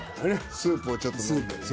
「スープをちょっと飲んだりね」。